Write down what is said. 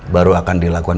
baru akan dilakukan